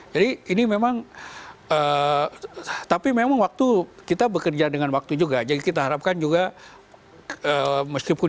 jadi ini memang tapi memang waktu kita bekerja dengan waktu juga jadi kita harapkan juga meskipun